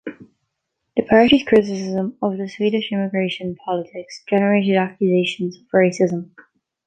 The party's criticism of the Swedish immigration politics generated accusations of racism.